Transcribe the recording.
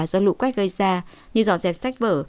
do lũ quét gây ra như dọn dẹp sách vở